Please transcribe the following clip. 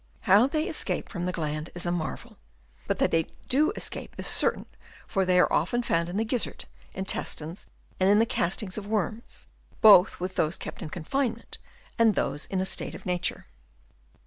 How they escape from the gland is a marvel ; but that they do escape is certain, for they are often found in the gizzard, intestines, and in the castings, of worms, both with those kept in confinement and those in a state of nature.